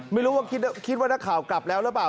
ไม่รู้ว่าคิดว่านักข่าวกลับแล้วหรือเปล่า